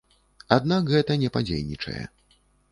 Аднак гэта не падзейнічае.